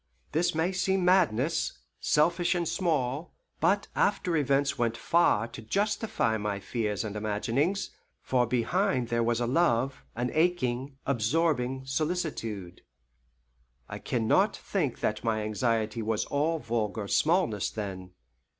This may seem madness, selfish and small; but after events went far to justify my fears and imaginings, for behind there was a love, an aching, absorbing solicitude. I can not think that my anxiety was all vulgar smallness then.